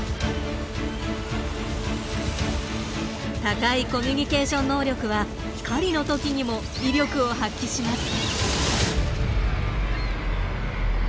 高いコミュニケーション能力は狩りの時にも威力を発揮します。